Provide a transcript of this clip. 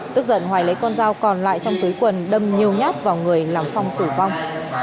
tức giận hoài lấy con dao còn lại trong túi quần đâm nhiều nhát vào người làm phong tử vong